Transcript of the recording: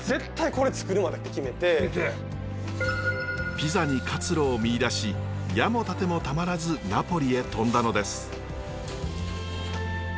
ピザに活路を見いだし矢も盾もたまらずナポリへ飛んだのです。